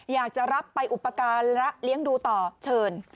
อยากจะรับไปอุปการณ์และเลี้ยงดูต่อเชิญ